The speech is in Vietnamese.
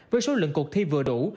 với số lượng cuộc thi vừa đủ